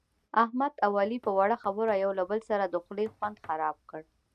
احمد اوعلي په وړه خبره یو له بل سره د خولې خوند خراب کړ.